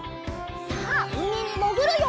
さあうみにもぐるよ！